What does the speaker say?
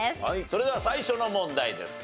それでは最初の問題です。